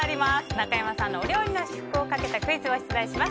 中山さんのお料理の試食をかけたクイズを出題します。